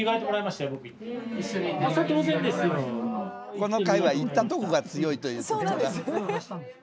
この会は行ったとこが強いということか。